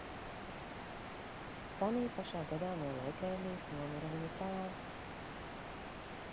Tanī pašā gadā no leikēmijas nomira viņa tēvs.